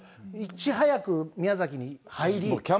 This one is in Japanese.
いち早く宮崎に入り。